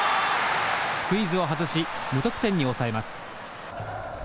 スクイズを外し無得点に抑えます。